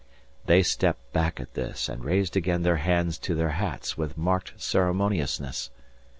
They stepped back at this and raised again their hands to their hats with marked ceremoniousness.